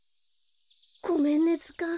ごめんねずかん。